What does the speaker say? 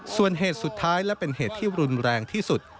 ส่วนเหตุสุดท้ายและเป็นเหตุที่รุนแรงที่สุด